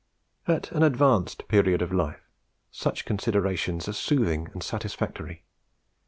"At an advanced period of life, such considerations are soothing and satisfactory.